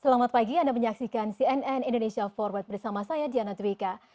selamat pagi anda menyaksikan cnn indonesia forward bersama saya diana twika